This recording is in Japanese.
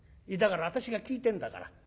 「だから私が聞いてんだから。